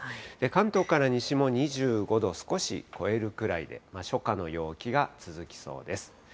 関東から西も２５度を少し超えるくらいで、初夏の陽気が続きそうです。